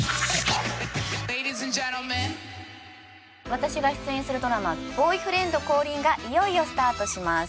私が出演するドラマ『ボーイフレンド降臨！』がいよいよスタートします。